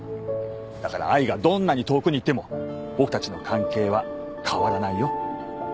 だから愛がどんなに遠くに行っても僕たちの関係は変わらないよ。